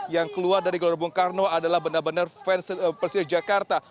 yang keluar dari gelora bung karno adalah benar benar fans persija jakarta